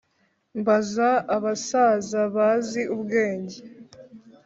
mbaza abasaza bazi ubwenge